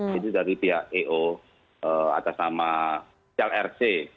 jadi dari pihak eo atas nama clrc